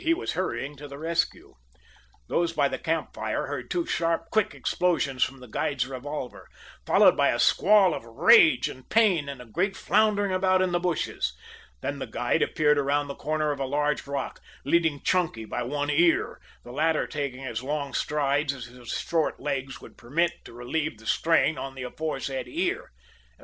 He was hurrying to the rescue. Those by the camp fire heard two sharp, quick explosions from the guide's revolver, followed by a squall of rage and pain and a great floundering about in the bushes. Then the guide appeared around the corner of a large rock, leading Chunky by one ear, the latter taking as long strides as his short legs would permit, to relieve the strain on the aforesaid ear.